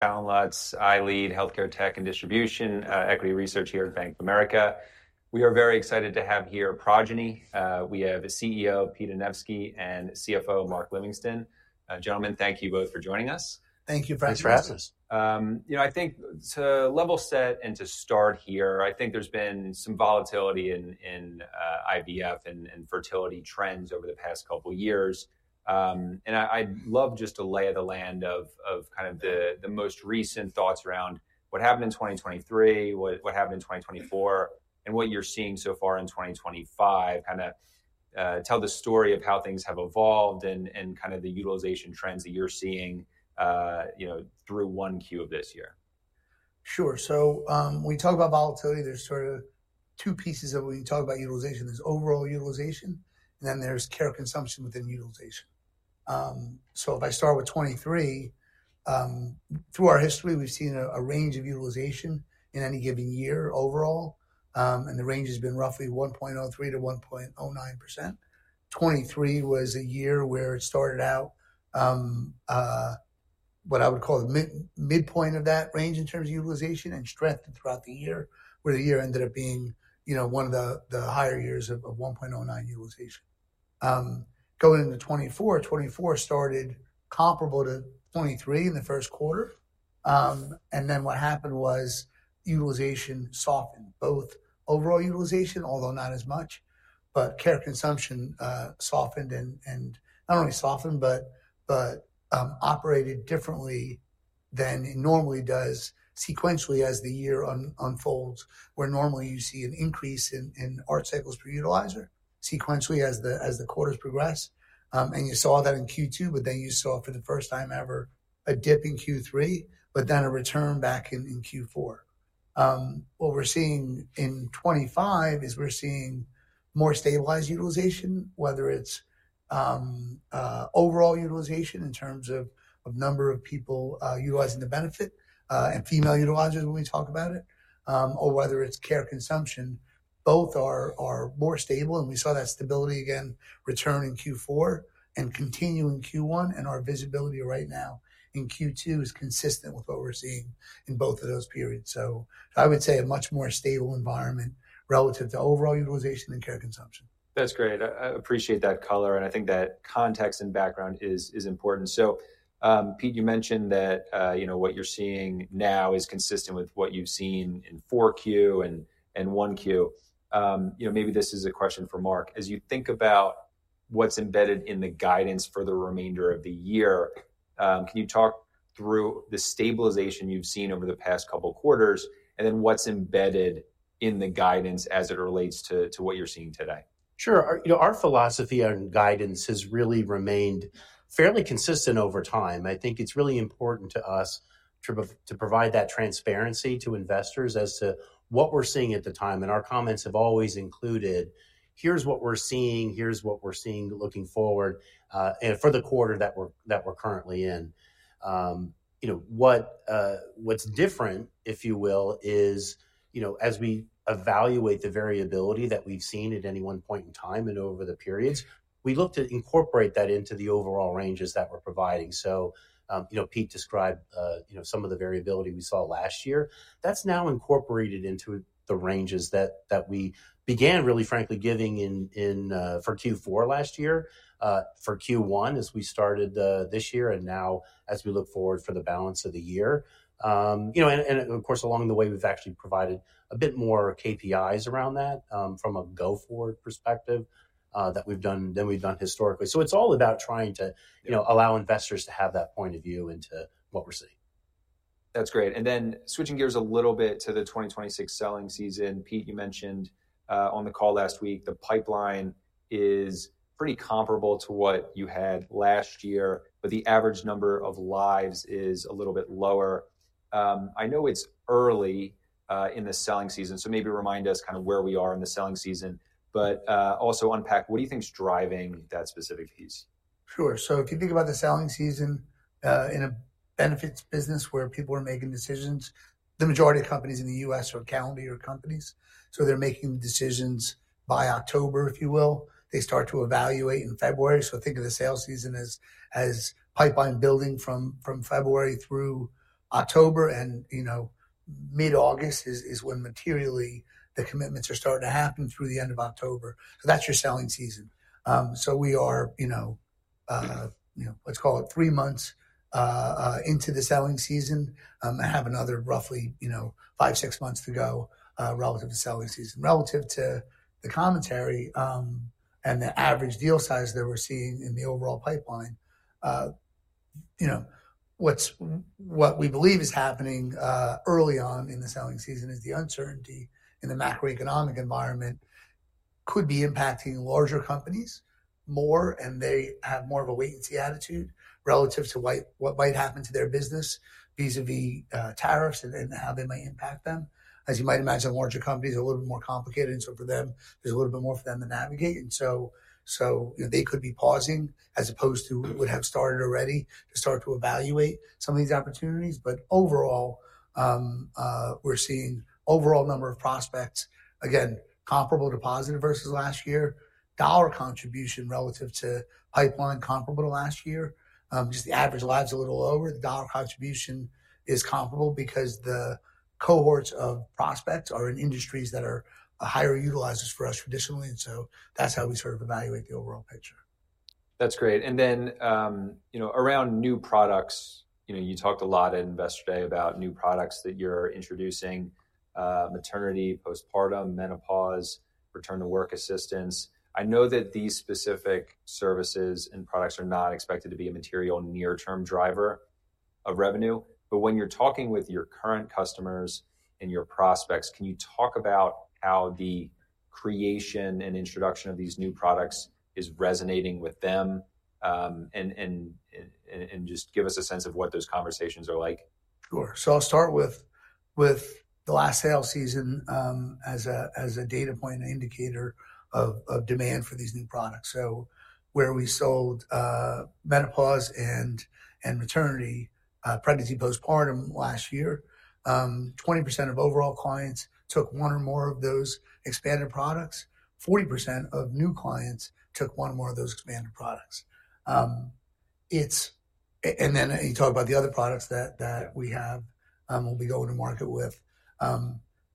Alan Lutz, iLEAD Healthcare Tech and Distribution, equity research here at Bank of America. We are very excited to have here Progyny. We have CEO Pete Anevski and CFO Mark Livingston. Gentlemen, thank you both for joining us. Thank you for having us. You know, I think to level set and to start here, I think there's been some volatility in IVF and fertility trends over the past couple of years. I'd love just to lay the land of kind of the most recent thoughts around what happened in 2023, what happened in 2024, and what you're seeing so far in 2025, kind of tell the story of how things have evolved and kind of the utilization trends that you're seeing, you know, through Q1 of this year. Sure. So we talk about volatility. There are sort of two pieces of when you talk about utilization. There is overall utilization, and then there is care consumption within utilization. If I start with 2023, through our history, we have seen a range of utilization in any given year overall. The range has been roughly 1.03-1.09%. 2023 was a year where it started out what I would call the midpoint of that range in terms of utilization and strengthened throughout the year, where the year ended up being, you know, one of the higher years of 1.09% utilization. Going into 2024, 2024 started comparable to 2023 in the first quarter. Then what happened was utilization softened, both overall utilization, although not as much, but care consumption softened. Not only softened, but operated differently than it normally does sequentially as the year unfolds, where normally you see an increase in ART cycles per utilizer sequentially as the quarters progress. You saw that in Q2, but then you saw for the first time ever a dip in Q3, but then a return back in Q4. What we are seeing in 2025 is we are seeing more stabilized utilization, whether it is overall utilization in terms of number of people utilizing the benefit and female utilizers when we talk about it, or whether it is care consumption. Both are more stable. We saw that stability again return in Q4 and continue in Q1. Our visibility right now in Q2 is consistent with what we are seeing in both of those periods. I would say a much more stable environment relative to overall utilization and care consumption. That's great. I appreciate that color. I think that context and background is important. Pete, you mentioned that, you know, what you're seeing now is consistent with what you've seen in Q4 and Q1. You know, maybe this is a question for Mark. As you think about what's embedded in the guidance for the remainder of the year, can you talk through the stabilization you've seen over the past couple of quarters and then what's embedded in the guidance as it relates to what you're seeing today? Sure. You know, our philosophy on guidance has really remained fairly consistent over time. I think it's really important to us to provide that transparency to investors as to what we're seeing at the time. And our comments have always included, here's what we're seeing, here's what we're seeing looking forward for the quarter that we're currently in. You know, what's different, if you will, is, you know, as we evaluate the variability that we've seen at any one point in time and over the periods, we look to incorporate that into the overall ranges that we're providing. So, you know, Pete described, you know, some of the variability we saw last year. That's now incorporated into the ranges that we began, really frankly, giving in for Q4 last year, for Q1 as we started this year, and now as we look forward for the balance of the year. You know, and of course, along the way, we've actually provided a bit more KPIs around that from a go forward perspective than we've done historically. It is all about trying to, you know, allow investors to have that point of view into what we're seeing. That's great. Switching gears a little bit to the 2026 selling season, Pete, you mentioned on the call last week, the pipeline is pretty comparable to what you had last year, but the average number of lives is a little bit lower. I know it's early in the selling season, so maybe remind us kind of where we are in the selling season, but also unpack what do you think's driving that specific piece? Sure. If you think about the selling season in a benefits business where people are making decisions, the majority of companies in the U.S. are calendar year companies. They are making decisions by October, if you will. They start to evaluate in February. Think of the sales season as pipeline building from February through October. You know, mid-August is when materially the commitments are starting to happen through the end of October. That is your selling season. We are, you know, let's call it three months into the selling season and have another roughly five, six months to go relative to selling season. Relative to the commentary and the average deal size that we're seeing in the overall pipeline, you know, what we believe is happening early on in the selling season is the uncertainty in the macroeconomic environment could be impacting larger companies more, and they have more of a wait-and-see attitude relative to what might happen to their business vis-à-vis tariffs and how they might impact them. As you might imagine, larger companies are a little bit more complicated. For them, there's a little bit more for them to navigate. You know, they could be pausing as opposed to what would have started already to start to evaluate some of these opportunities. Overall, we're seeing overall number of prospects, again, comparable to positive versus last year. Dollar contribution relative to pipeline comparable to last year. Just the average lives a little lower. The dollar contribution is comparable because the cohorts of prospects are in industries that are higher utilizers for us traditionally. That is how we sort of evaluate the overall picture. That's great. And then, you know, around new products, you know, you talked a lot at Investor Day about new products that you're introducing: maternity, postpartum, menopause, return to work assistance. I know that these specific services and products are not expected to be a material near-term driver of revenue. But when you're talking with your current customers and your prospects, can you talk about how the creation and introduction of these new products is resonating with them and just give us a sense of what those conversations are like? Sure. I'll start with the last sales season as a data point and indicator of demand for these new products. Where we sold menopause and maternity, pregnancy, postpartum last year, 20% of overall clients took one or more of those expanded products. 40% of new clients took one or more of those expanded products. You talk about the other products that we have when we go into market with.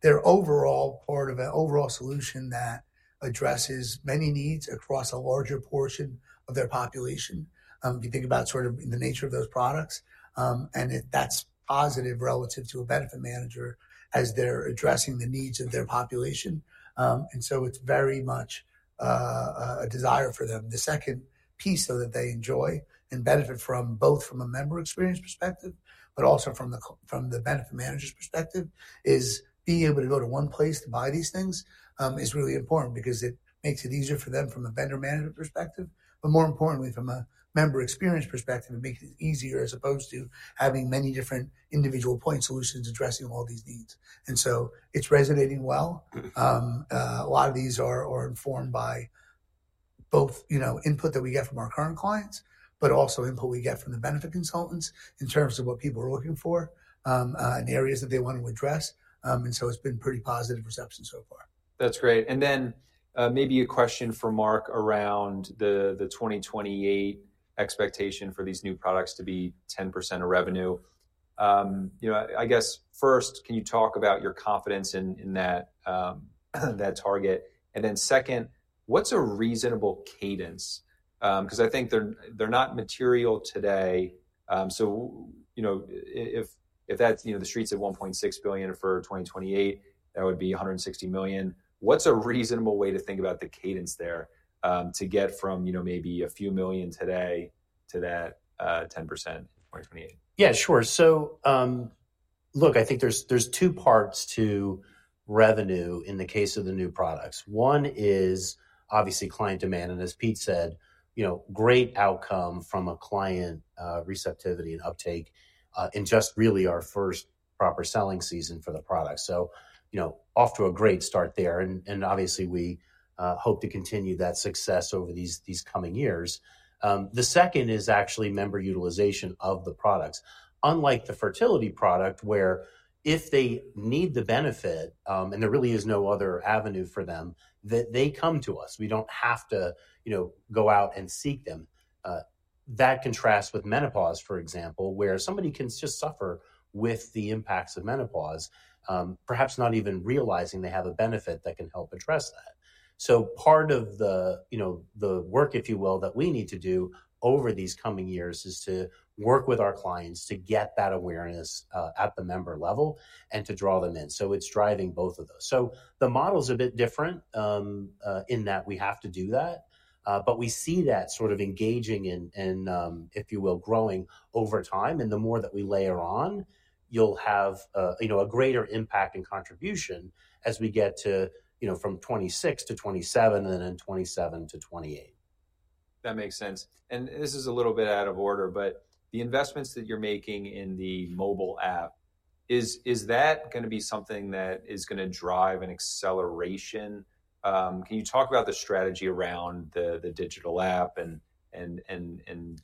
They're overall part of an overall solution that addresses many needs across a larger portion of their population. If you think about sort of the nature of those products, that's positive relative to a benefit manager as they're addressing the needs of their population. It's very much a desire for them. The second piece so that they enjoy and benefit from both from a member experience perspective, but also from the benefit manager's perspective is being able to go to one place to buy these things is really important because it makes it easier for them from a vendor management perspective, but more importantly, from a member experience perspective, it makes it easier as opposed to having many different individual point solutions addressing all these needs. It is resonating well. A lot of these are informed by both, you know, input that we get from our current clients, but also input we get from the benefit consultants in terms of what people are looking for in areas that they want to address. It has been pretty positive reception so far. That's great. Maybe a question for Mark around the 2028 expectation for these new products to be 10% of revenue. You know, I guess first, can you talk about your confidence in that target? Second, what's a reasonable cadence? I think they're not material today. If that's, you know, the street's at $1.6 billion for 2028, that would be $160 million. What's a reasonable way to think about the cadence there to get from, you know, maybe a few million today to that 10% in 2028? Yeah, sure. Look, I think there's two parts to revenue in the case of the new products. One is obviously client demand. As Pete said, you know, great outcome from a client receptivity and uptake in just really our first proper selling season for the product. You know, off to a great start there. Obviously, we hope to continue that success over these coming years. The second is actually member utilization of the products. Unlike the fertility product, where if they need the benefit and there really is no other avenue for them, they come to us. We don't have to, you know, go out and seek them. That contrasts with menopause, for example, where somebody can just suffer with the impacts of menopause, perhaps not even realizing they have a benefit that can help address that. Part of the, you know, the work, if you will, that we need to do over these coming years is to work with our clients to get that awareness at the member level and to draw them in. It is driving both of those. The model is a bit different in that we have to do that. We see that sort of engaging and, if you will, growing over time. The more that we layer on, you will have, you know, a greater impact and contribution as we get to, you know, from 2026 to 2027 and then 2027 to 2028. That makes sense. This is a little bit out of order, but the investments that you're making in the mobile app, is that going to be something that is going to drive an acceleration? Can you talk about the strategy around the digital app and,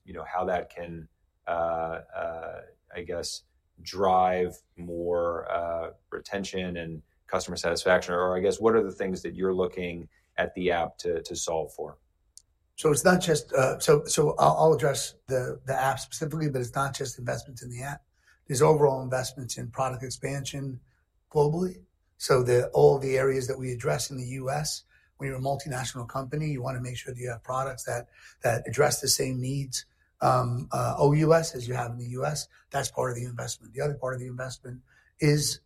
you know, how that can, I guess, drive more retention and customer satisfaction? I guess, what are the things that you're looking at the app to solve for? It's not just, I'll address the app specifically, but it's not just investments in the app. There's overall investments in product expansion globally. All the areas that we address in the U.S., when you're a multinational company, you want to make sure that you have products that address the same needs OUS as you have in the U.S. That's part of the investment. The other part of the investment is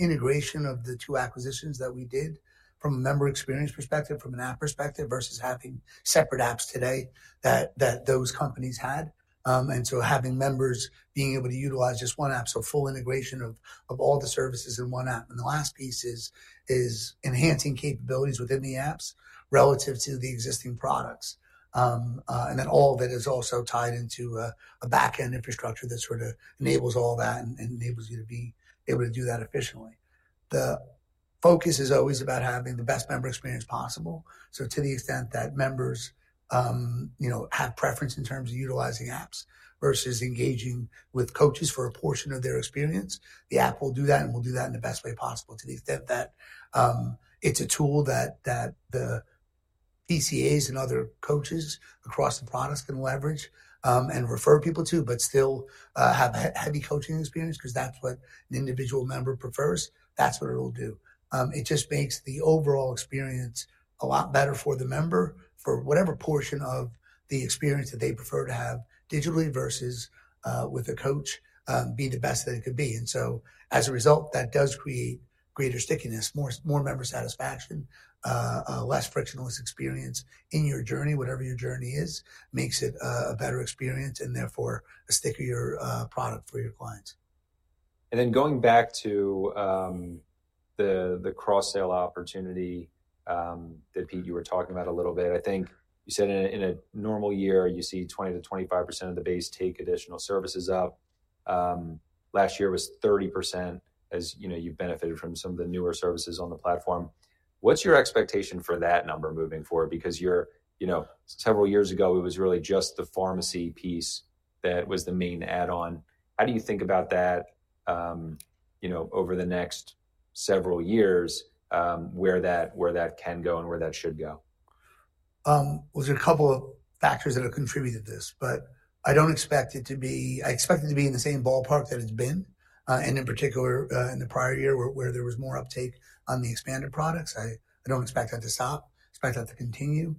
integration of the two acquisitions that we did from a member experience perspective, from an app perspective versus having separate apps today that those companies had. Having members being able to utilize just one app, so full integration of all the services in one app. The last piece is enhancing capabilities within the apps relative to the existing products. All of it is also tied into a backend infrastructure that sort of enables all that and enables you to be able to do that efficiently. The focus is always about having the best member experience possible. To the extent that members, you know, have preference in terms of utilizing apps versus engaging with coaches for a portion of their experience, the app will do that and will do that in the best way possible. To the extent that it's a tool that the PCAs and other coaches across the products can leverage and refer people to, but still have heavy coaching experience because that's what an individual member prefers, that's what it'll do. It just makes the overall experience a lot better for the member for whatever portion of the experience that they prefer to have digitally versus with a coach being the best that it could be. As a result, that does create greater stickiness, more member satisfaction, less frictionless experience in your journey, whatever your journey is, makes it a better experience and therefore a stickier product for your clients. Going back to the cross-sale opportunity that Pete, you were talking about a little bit, I think you said in a normal year, you see 20-25% of the base take additional services up. Last year was 30% as, you know, you've benefited from some of the newer services on the platform. What's your expectation for that number moving forward? Because you're, you know, several years ago, it was really just the pharmacy piece that was the main add-on. How do you think about that, you know, over the next several years where that can go and where that should go? There are a couple of factors that have contributed to this, but I do not expect it to be, I expect it to be in the same ballpark that it has been. In particular, in the prior year where there was more uptake on the expanded products, I do not expect that to stop. I expect that to continue.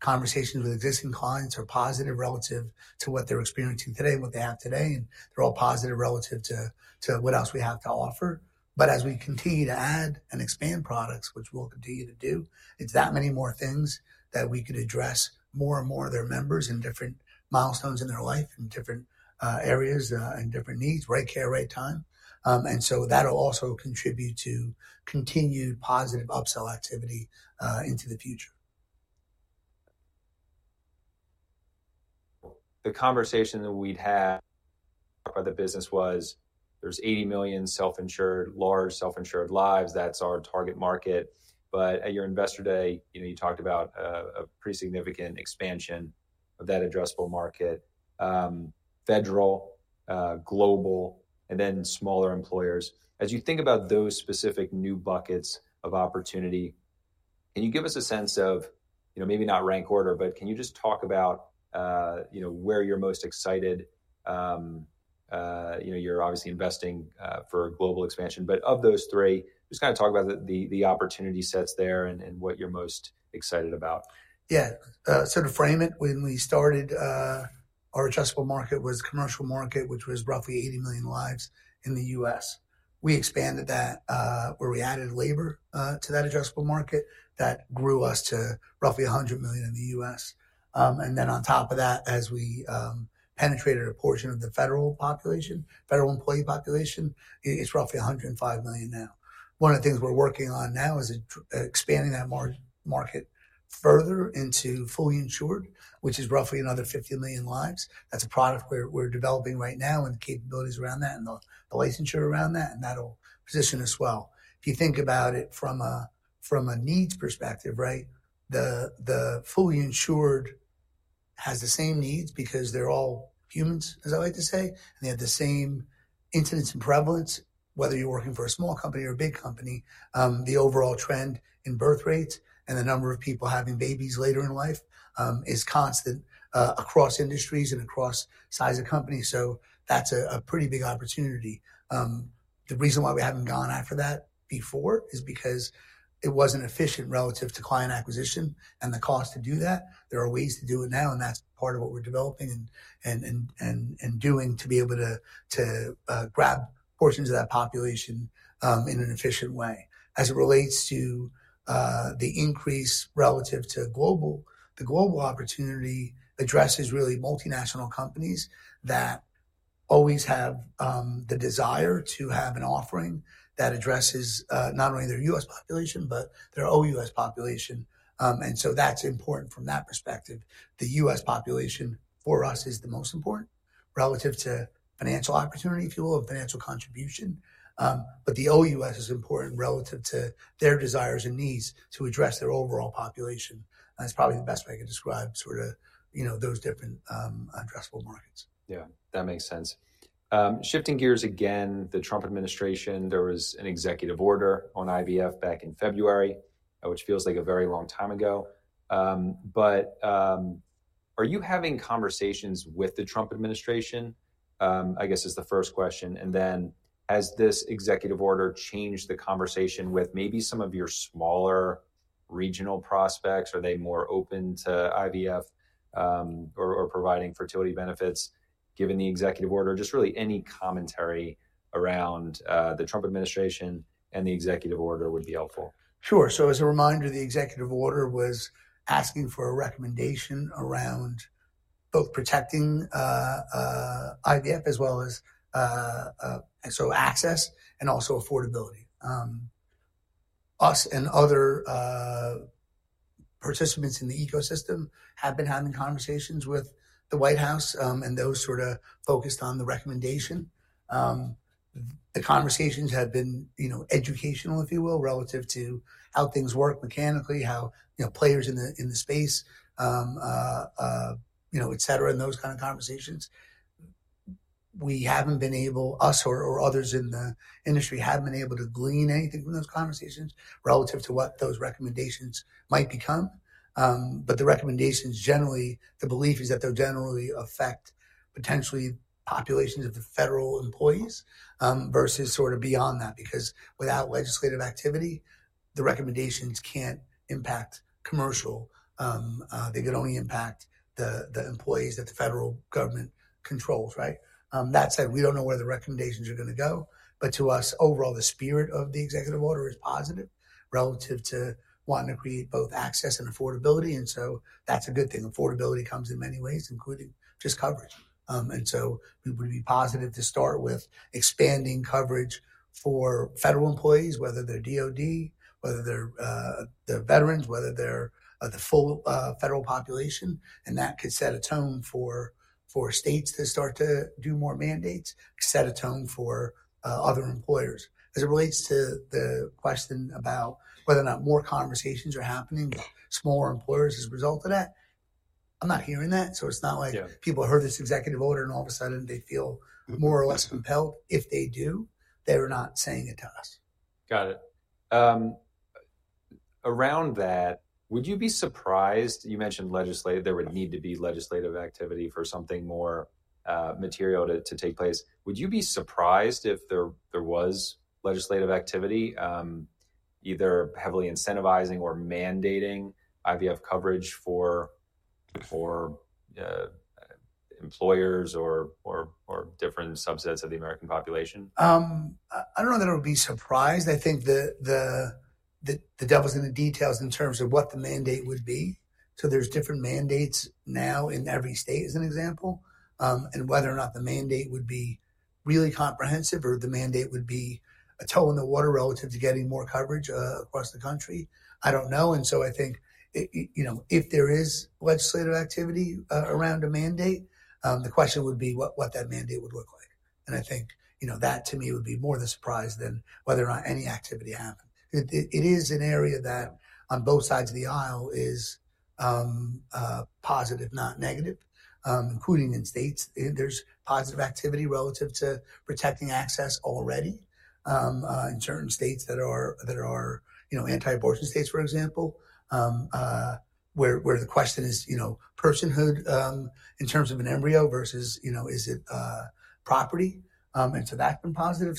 Conversations with existing clients are positive relative to what they are experiencing today and what they have today. They are all positive relative to what else we have to offer. As we continue to add and expand products, which we will continue to do, it is that many more things that we could address more and more of their members in different milestones in their life in different areas and different needs, right care, right time. That will also contribute to continued positive upsell activity into the future. The conversation that we'd have by the business was there's 80 million self-insured, large self-insured lives. That's our target market. At your Investor Day, you know, you talked about a pretty significant expansion of that addressable market, federal, global, and then smaller employers. As you think about those specific new buckets of opportunity, can you give us a sense of, you know, maybe not rank order, but can you just talk about, you know, where you're most excited? You know, you're obviously investing for a global expansion. Of those three, just kind of talk about the opportunity sets there and what you're most excited about. Yeah. To frame it, when we started, our addressable market was commercial market, which was roughly 80 million lives in the U.S. We expanded that where we added labor to that addressable market. That grew us to roughly 100 million in the U.S. Then on top of that, as we penetrated a portion of the federal population, federal employee population, it is roughly 105 million now. One of the things we are working on now is expanding that market further into fully insured, which is roughly another 50 million lives. That is a product we are developing right now and the capabilities around that and the licensure around that, and that will position us well. If you think about it from a needs perspective, right, the fully insured has the same needs because they're all humans, as I like to say, and they have the same incidence and prevalence, whether you're working for a small company or a big company. The overall trend in birth rates and the number of people having babies later in life is constant across industries and across size of company. That is a pretty big opportunity. The reason why we haven't gone after that before is because it wasn't efficient relative to client acquisition and the cost to do that. There are ways to do it now, and that is part of what we're developing and doing to be able to grab portions of that population in an efficient way. As it relates to the increase relative to global, the global opportunity addresses really multinational companies that always have the desire to have an offering that addresses not only their U.S. population, but their OUS population. That is important from that perspective. The U.S. population for us is the most important relative to financial opportunity, if you will, of financial contribution. The OUS is important relative to their desires and needs to address their overall population. That is probably the best way I can describe sort of, you know, those different addressable markets. Yeah, that makes sense. Shifting gears again, the Trump administration, there was an executive order on IVF back in February, which feels like a very long time ago. Are you having conversations with the Trump administration? I guess is the first question. Has this executive order changed the conversation with maybe some of your smaller regional prospects? Are they more open to IVF or providing fertility benefits given the executive order? Just really any commentary around the Trump administration and the executive order would be helpful. Sure. As a reminder, the executive order was asking for a recommendation around both protecting IVF as well as, so access and also affordability. Us and other participants in the ecosystem have been having conversations with the White House, and those sort of focused on the recommendation. The conversations have been, you know, educational, if you will, relative to how things work mechanically, how, you know, players in the space, you know, et cetera, and those kind of conversations. We have not been able, us or others in the industry have not been able to glean anything from those conversations relative to what those recommendations might become. The recommendations generally, the belief is that they will generally affect potentially populations of the federal employees versus sort of beyond that, because without legislative activity, the recommendations cannot impact commercial. They could only impact the employees that the federal government controls, right? That said, we do not know where the recommendations are going to go. To us, overall, the spirit of the executive order is positive relative to wanting to create both access and affordability. That is a good thing. Affordability comes in many ways, including just coverage. We would be positive to start with expanding coverage for federal employees, whether they are DOD, whether they are the veterans, whether they are the full federal population. That could set a tone for states to start to do more mandates, set a tone for other employers. As it relates to the question about whether or not more conversations are happening with smaller employers as a result of that, I am not hearing that. It is not like people heard this executive order and all of a sudden they feel more or less compelled. If they do, they are not saying it to us. Got it. Around that, would you be surprised? You mentioned legislative, there would need to be legislative activity for something more material to take place. Would you be surprised if there was legislative activity, either heavily incentivizing or mandating IVF coverage for employers or different subsets of the American population? I do not know that I would be surprised. I think the devil is in the details in terms of what the mandate would be. There are different mandates now in every state, as an example, and whether or not the mandate would be really comprehensive or the mandate would be a toe in the water relative to getting more coverage across the country, I do not know. I think, you know, if there is legislative activity around a mandate, the question would be what that mandate would look like. I think, you know, that to me would be more the surprise than whether or not any activity happened. It is an area that on both sides of the aisle is positive, not negative, including in states. There's positive activity relative to protecting access already in certain states that are, you know, anti-abortion states, for example, where the question is, you know, personhood in terms of an embryo versus, you know, is it property. That has been positive.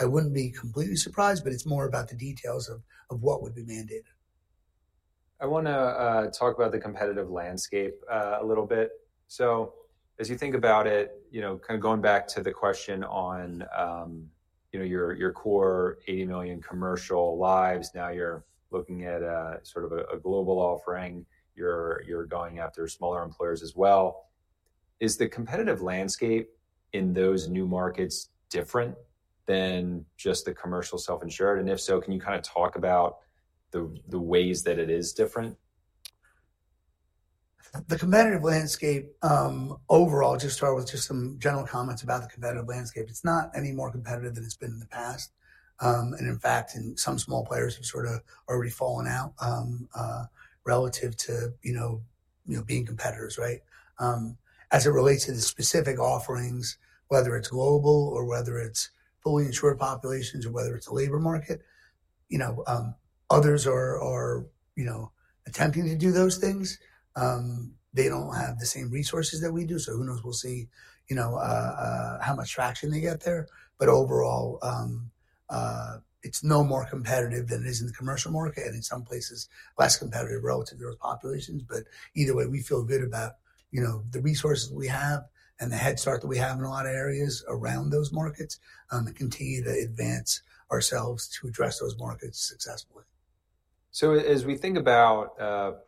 I would not be completely surprised, but it is more about the details of what would be mandated. I want to talk about the competitive landscape a little bit. As you think about it, you know, kind of going back to the question on, you know, your core 80 million commercial lives, now you're looking at sort of a global offering. You're going after smaller employers as well. Is the competitive landscape in those new markets different than just the commercial self-insured? If so, can you kind of talk about the ways that it is different? The competitive landscape overall, just start with just some general comments about the competitive landscape. It's not any more competitive than it's been in the past. In fact, some small players have sort of already fallen out relative to, you know, being competitors, right? As it relates to the specific offerings, whether it's global or whether it's fully insured populations or whether it's a labor market, you know, others are, you know, attempting to do those things. They don't have the same resources that we do. So who knows? We'll see, you know, how much traction they get there. Overall, it's no more competitive than it is in the commercial market. In some places, less competitive relative to those populations. Either way, we feel good about, you know, the resources we have and the head start that we have in a lot of areas around those markets and continue to advance ourselves to address those markets successfully. As we think about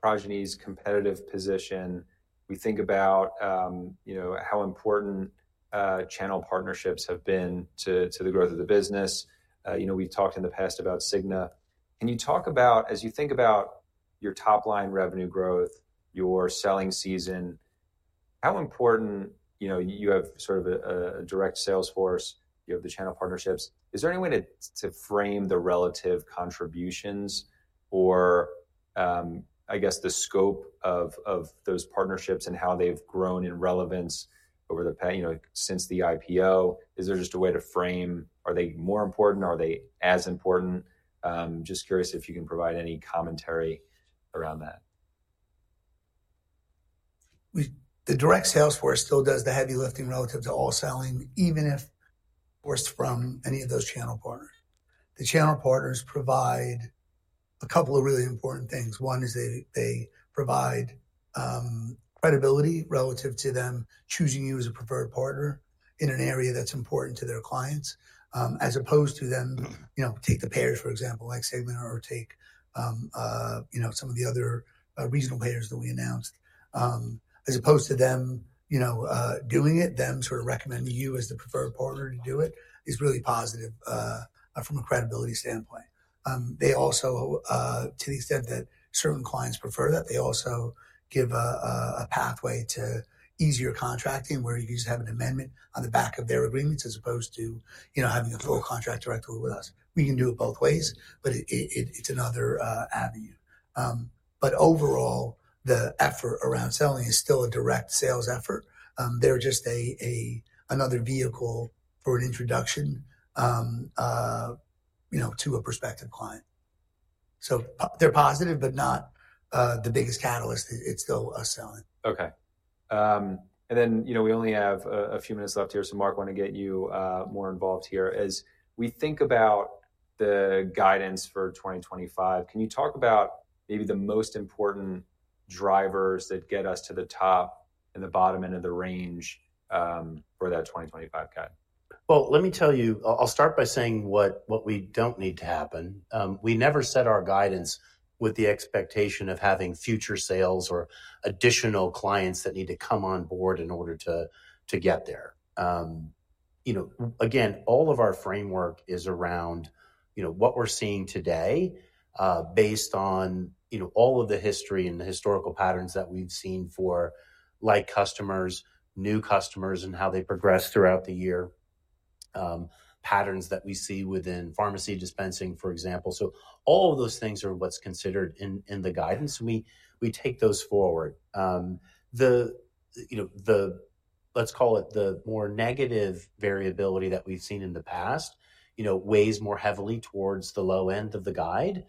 Progyny's competitive position, we think about, you know, how important channel partnerships have been to the growth of the business. You know, we've talked in the past about Cigna. Can you talk about, as you think about your top-line revenue growth, your selling season, how important, you know, you have sort of a direct salesforce, you have the channel partnerships. Is there any way to frame the relative contributions or, I guess, the scope of those partnerships and how they've grown in relevance over the past, you know, since the IPO? Is there just a way to frame? Are they more important? Are they as important? Just curious if you can provide any commentary around that. The direct salesforce still does the heavy lifting relative to all selling, even if forced from any of those channel partners. The channel partners provide a couple of really important things. One is they provide credibility relative to them choosing you as a preferred partner in an area that's important to their clients, as opposed to them, you know, take the payers, for example, like Cigna or take, you know, some of the other regional payers that we announced. As opposed to them, you know, doing it, them sort of recommending you as the preferred partner to do it is really positive from a credibility standpoint. They also, to the extent that certain clients prefer that, they also give a pathway to easier contracting where you just have an amendment on the back of their agreements as opposed to, you know, having a full contract directly with us. We can do it both ways, but it's another avenue. Overall, the effort around selling is still a direct sales effort. They're just another vehicle for an introduction, you know, to a prospective client. They're positive, but not the biggest catalyst. It's still us selling. Okay. And then, you know, we only have a few minutes left here. So Mark, I want to get you more involved here. As we think about the guidance for 2025, can you talk about maybe the most important drivers that get us to the top and the bottom end of the range for that 2025 cut? Let me tell you, I'll start by saying what we don't need to happen. We never set our guidance with the expectation of having future sales or additional clients that need to come on board in order to get there. You know, again, all of our framework is around, you know, what we're seeing today based on, you know, all of the history and the historical patterns that we've seen for like customers, new customers, and how they progress throughout the year, patterns that we see within pharmacy dispensing, for example. All of those things are what's considered in the guidance. We take those forward. The, you know, let's call it the more negative variability that we've seen in the past, you know, weighs more heavily towards the low end of the guide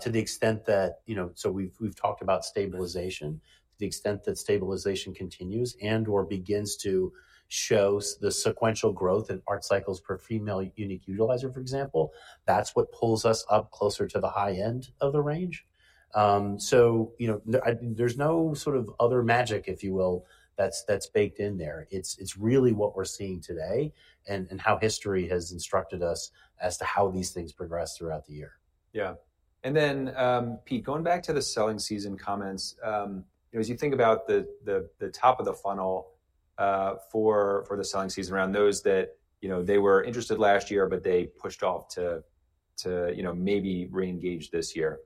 to the extent that, you know, so we've talked about stabilization, to the extent that stabilization continues and/or begins to show the sequential growth in ART cycles per female unique utilizer, for example, that's what pulls us up closer to the high end of the range. You know, there's no sort of other magic, if you will, that's baked in there. It's really what we're seeing today and how history has instructed us as to how these things progress throughout the year. Yeah. And then, Pete, going back to the selling season comments, you know, as you think about the top of the funnel for the selling season around those that, you know, they were interested last year, but they pushed off to, you know, maybe re-engage this year.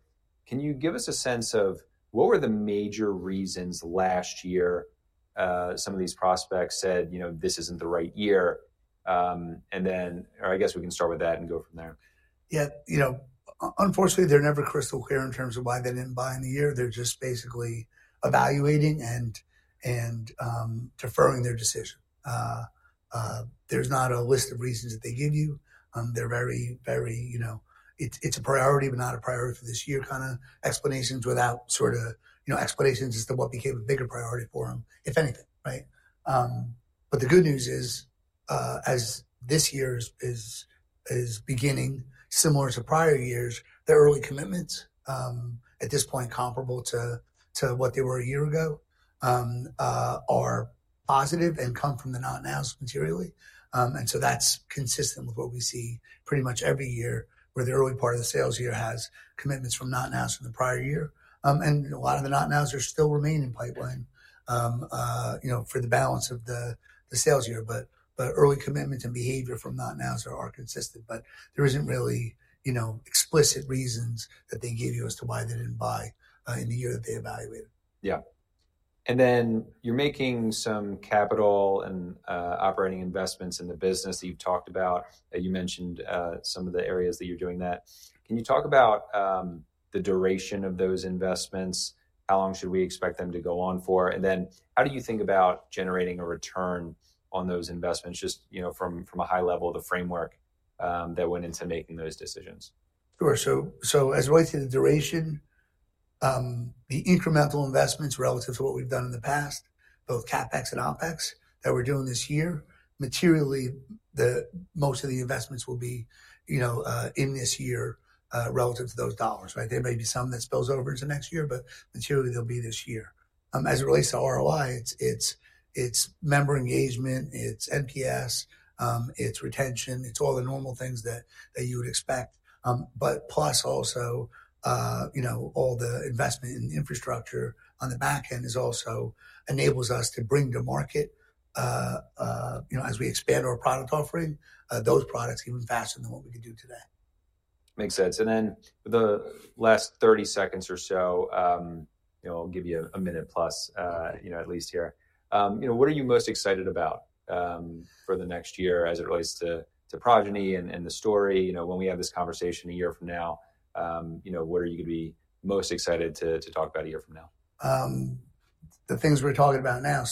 Can you give us a sense of what were the major reasons last year some of these prospects said, you know, this isn't the right year? I guess we can start with that and go from there. Yeah, you know, unfortunately, they're never crystal clear in terms of why they didn't buy in the year. They're just basically evaluating and deferring their decision. There's not a list of reasons that they give you. They're very, very, you know, it's a priority, but not a priority for this year kind of explanations without sort of, you know, explanations as to what became a bigger priority for them, if anything, right? The good news is, as this year is beginning, similar to prior years, their early commitments at this point comparable to what they were a year ago are positive and come from the not-nows materially. That's consistent with what we see pretty much every year where the early part of the sales year has commitments from not-nows from the prior year. A lot of the not-nows are still remaining pipeline, you know, for the balance of the sales year. Early commitments and behavior from not-nows are consistent. There isn't really, you know, explicit reasons that they give you as to why they didn't buy in the year that they evaluated. Yeah. You are making some capital and operating investments in the business that you have talked about. You mentioned some of the areas that you are doing that. Can you talk about the duration of those investments? How long should we expect them to go on for? How do you think about generating a return on those investments just, you know, from a high level of the framework that went into making those decisions? Sure. As relates to the duration, the incremental investments relative to what we've done in the past, both CapEx and OpEx that we're doing this year, materially, most of the investments will be, you know, in this year relative to those dollars, right? There may be some that spills over into next year, but materially, they'll be this year. As it relates to ROI, it's member engagement, it's NPS, it's retention, it's all the normal things that you would expect. Plus also, you know, all the investment in infrastructure on the back end also enables us to bring to market, you know, as we expand our product offering, those products even faster than what we could do today. Makes sense. And then the last 30 seconds or so, you know, I'll give you a minute plus, you know, at least here. You know, what are you most excited about for the next year as it relates to Progyny and the story? You know, when we have this conversation a year from now, you know, what are you going to be most excited to talk about a year from now? The things we're talking about now.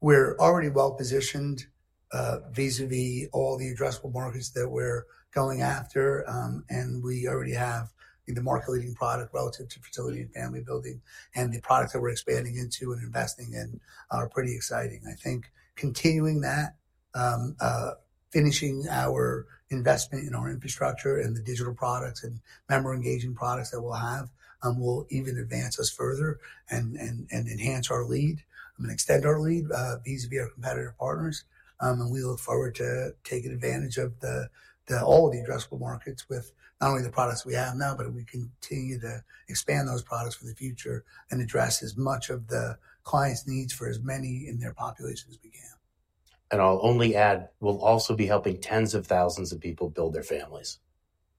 We're already well positioned vis-à-vis all the addressable markets that we're going after. We already have the market-leading product relative to fertility and family building. The products that we're expanding into and investing in are pretty exciting. I think continuing that, finishing our investment in our infrastructure and the digital products and member engaging products that we'll have will even advance us further and enhance our lead and extend our lead vis-à-vis our competitor partners. We look forward to taking advantage of all of the addressable markets with not only the products we have now, but we continue to expand those products for the future and address as much of the clients' needs for as many in their populations as we can. I'll only add, we'll also be helping tens of thousands of people build their families.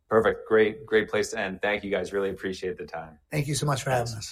Perfect. Great, great place to end. Thank you guys. Really appreciate the time. Thank you so much for having us.